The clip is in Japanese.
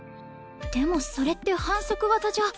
でもそれって反則技じゃ。